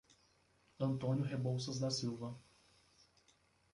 Antônio Reboucas da Silva